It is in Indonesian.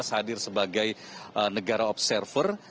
hadir sebagai negara observer